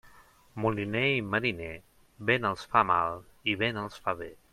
Moliner i mariner, vent els fa mal i vent els fa bé.